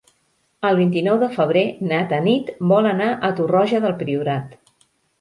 El vint-i-nou de febrer na Tanit vol anar a Torroja del Priorat.